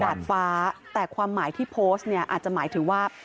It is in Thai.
ดาดฟ้าแต่ความหมายที่โพสต์เนี่ยอาจจะหมายถึงว่า